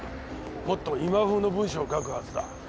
もっと今風の文章を書くはずだ。